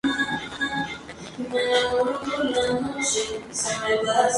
Es considerada una de las protagonistas de la "Generación de la Ruptura".